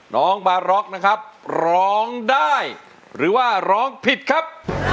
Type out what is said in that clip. น้องบาร็อกนะครับร้องได้หรือว่าร้องผิดครับ